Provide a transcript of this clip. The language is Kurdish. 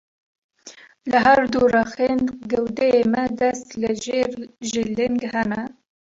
Li her du rexên gewdeyê me dest, li jêr jî ling hene.